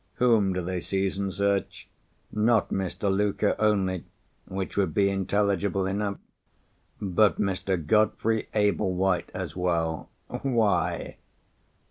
Whom do they seize and search? Not Mr. Luker only—which would be intelligible enough—but Mr. Godfrey Ablewhite as well. Why?